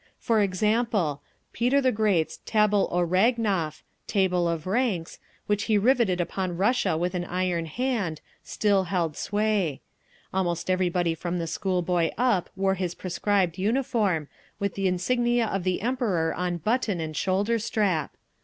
For example, Peter the Great's _Tabel o Rangov—_Table of Ranks—which he rivetted upon Russia with an iron hand, still held sway. Almost everybody from the school boy up wore his prescribed uniform, with the insignia of the Emperor on button and shoulder strap.